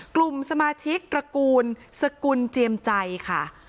กลุ่มสมาชิกตระกูลสกุลเจียมใจค่ะ